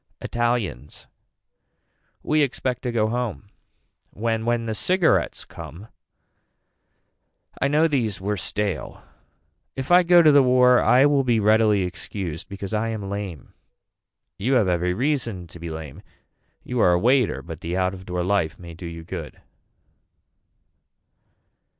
Italians. We expect to go home. When When the cigarettes come. I know these were stale. If I go to the war I will be readily excused because I am lame. You have every reason to be lame. You are a waiter but the out of door life may do you good.